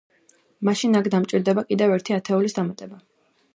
მაშინ, აქ დამჭირდება კიდევ ერთი ათეულის დამატება.